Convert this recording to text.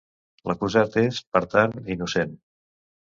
L'acusat és, per tant, innocent.